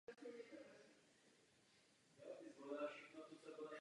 Měl staršího bratra Grega a navštěvoval katolickou školu.